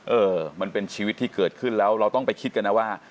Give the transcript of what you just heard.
เออมันเป็นชีวิตที่เกิดขึ้นแล้วเราต้องไปคิดกันนะว่า